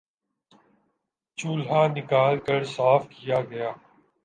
چولہا نکال کر صاف کیا گیا